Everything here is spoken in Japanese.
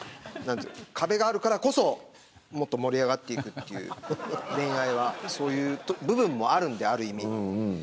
壁があるからこそもっと盛り上がるという恋愛はそういう部分もあるのである意味。